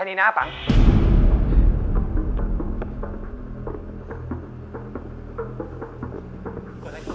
แม้สิ้นลมหายใจก็รักเธอ